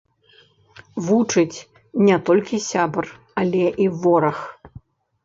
Вучыць не толькі сябар, але і вораг.